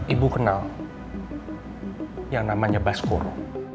ibu kenal yang namanya baskoro